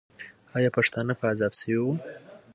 آیا پښتانه په عذاب سوي وو؟